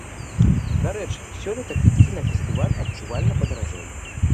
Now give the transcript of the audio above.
Дарэчы, сёлета квіткі на фестываль адчувальна падаражэлі.